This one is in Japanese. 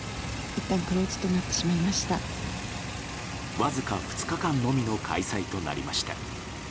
わずか２日間のみの開催となりました。